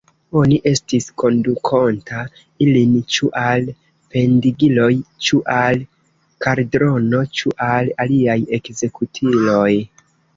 Oni estis kondukonta ilin ĉu al pendigiloj, ĉu al kaldrono, ĉu al aliaj ekzekutiloj.